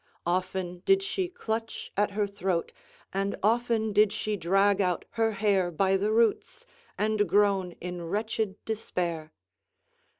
Often did she clutch at her throat, and often did she drag out her hair by the roots and groan in wretched despair.